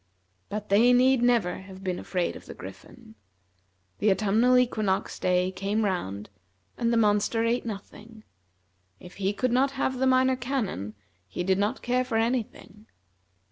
But they need never have been afraid of the Griffin. The autumnal equinox day came round, and the monster ate nothing. If he could not have the Minor Canon, he did not care for any thing.